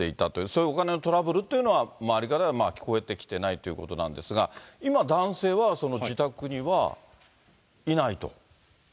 そういうお金のトラブルというのは、周りからは聞こえてきてないということなんですが、今、男性は自宅にはいないと？